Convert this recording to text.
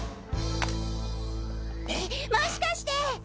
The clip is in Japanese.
もしかして。